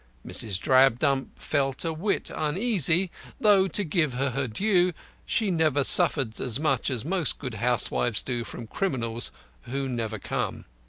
Mrs. Drabdump felt a whit uneasy, though, to give her her due, she never suffered as much as most good housewives do from criminals who never come.